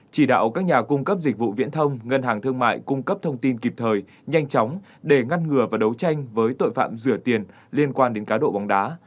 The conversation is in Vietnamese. chỉ đạo các nhà cung cấp dịch vụ viễn thông ngân hàng thương mại cung cấp thông tin kịp thời nhanh chóng để ngăn ngừa và đấu tranh với tội phạm rửa tiền liên quan đến cá độ bóng đá